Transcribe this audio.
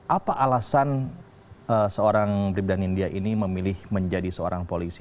apa alasan seorang bribda nindia ini memilih menjadi seorang polisi